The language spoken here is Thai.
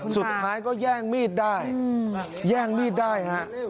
สุดท้ายก็แย่งมีดได้แย่งมีดได้ฮะ